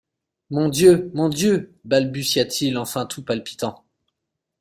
Mon Dieu ! mon Dieu ! balbutia-t-il enfin tout palpitant.